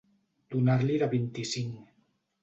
Donar-li de vint-i-cinc.